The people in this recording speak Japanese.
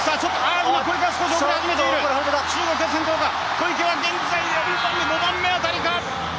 小池は現在５番目辺りか。